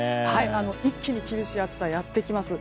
一気に厳しい暑さがやってきます。